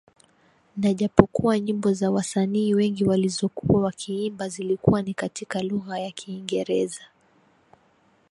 na japokuwa nyimbo za wasanii wengi walizokuwa wakiimba zilikuwa ni katika lugha ya Kiingereza